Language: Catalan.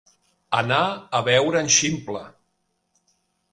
Anar a veure en Ximple.